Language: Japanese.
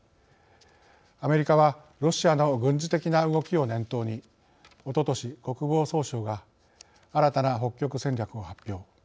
アメリカはロシアの軍事的な動きを念頭におととし国防総省が新たな北極戦略を発表。